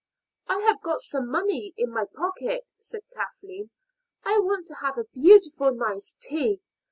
"I have got some money in my pocket," said Kathleen. "I want to have a beautiful, nice tea.